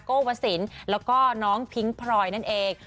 ้วสินแล้วก็น้องพิ้งพลอยนั่นเอง